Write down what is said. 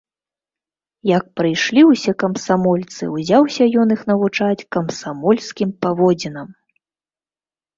Як прыйшлі ўсе камсамольцы, узяўся ён іх навучаць камсамольскім паводзінам.